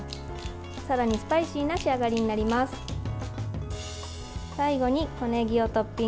さらにスパイシーな仕上がりになります。